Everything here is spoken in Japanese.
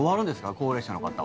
高齢者の方は。